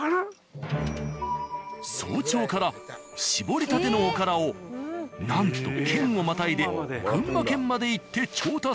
早朝から絞りたてのおからをなんと県をまたいで群馬県まで行って調達。